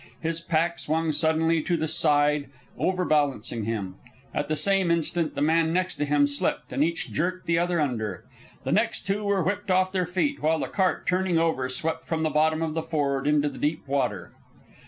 His pack swung suddenly to the side, overbalancing him. At the same instant the man next to him slipped, and each jerked the other under. The next two were whipped off their feet, while the cart, turning over, swept from the bottom of the ford into the deep water.